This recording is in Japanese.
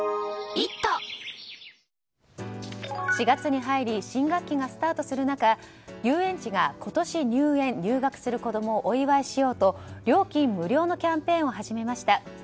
４月に入り新学期がスタートする中遊園地が今年入園・入学する子供をお祝いしようと料金無料のキャンペーンを始めました。